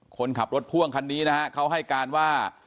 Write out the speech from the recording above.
คนขับรถพ่วงคันนี้นะฮะเขาให้การว่า